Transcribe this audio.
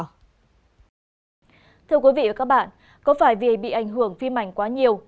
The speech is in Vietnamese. thưa quý vị và các bạn có phải vì bị ảnh hưởng phim ảnh quá nhiều